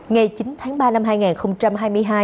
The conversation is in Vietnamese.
ngày chín tháng ba năm hai nghìn hai mươi hai